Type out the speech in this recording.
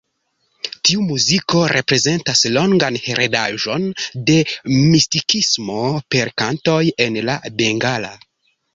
Tiu muziko reprezentas longan heredaĵon de mistikismo per kantoj en la bengala.